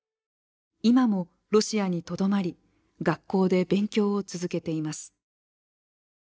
今もロシアにとどまり学校で勉強を続けています。